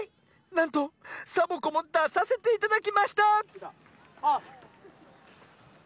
なんとサボ子もださせていただきました！